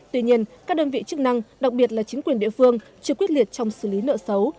tuy nhiên các đơn vị chức năng đặc biệt là chính quyền địa phương chưa quyết liệt trong xử lý nợ xấu